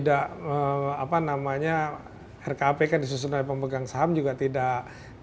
apa namanya rkp kan disusun oleh pemegang saham juga tidak